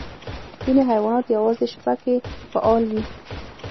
ځینې حیوانات یوازې شپه کې فعال وي.